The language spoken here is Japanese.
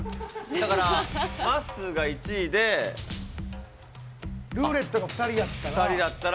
だから、まっすーが１位で。ルーレットが２人やったら。